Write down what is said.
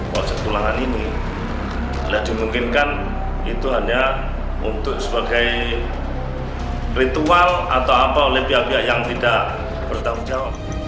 konsep pulangan ini adalah dimungkinkan itu hanya untuk sebagai ritual atau apa oleh pihak pihak yang tidak bertanggung jawab